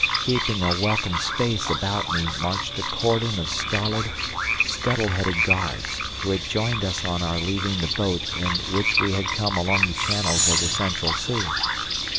Keeping a welcome space about me marched a cordon of stolid, scuttle headed guards, who had joined us on our leaving the boat in which we had come along the channels of the Central Sea.